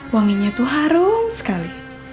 wanginya tuh harum sekali